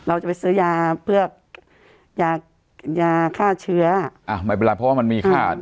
เราจะไปซื้อยาเพื่อยายาฆ่าเชื้ออ่าไม่เป็นไรเพราะว่ามันมีค่า